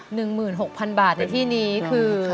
๑หมื่น๖พันบาทในที่นี้คือ